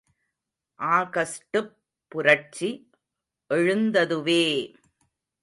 ஆகஸ்ட்டுப் புரட்சி எழுந்ததுவே!